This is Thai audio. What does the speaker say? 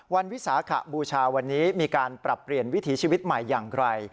วิสาขบูชาวันนี้มีการปรับเปลี่ยนวิถีชีวิตใหม่อย่างไร